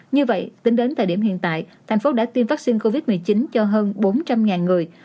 như vậy tính đến thời điểm hiện tại thành phố đã tiêm vaccine covid một mươi chín cho hơn bốn trăm linh người